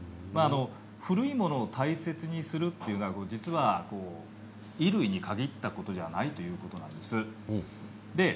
古いものを大切にするというのは実は、衣類に限ったことではないということなんです。